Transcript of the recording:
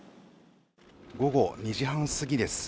午後２時半すぎです。